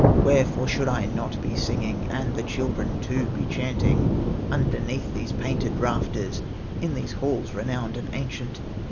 Wherefore should I not be singing, And the children too be chanting Underneath these painted rafters, In these halls renowned and ancient?